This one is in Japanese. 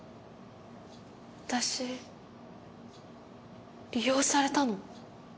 私利用されたの？